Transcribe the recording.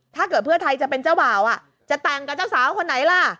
ถ้าเกิดเพื่อไทยจะเป็นเจ้าบ่าวจะแต่งกับเจ้าสาวคนไหนล่ะ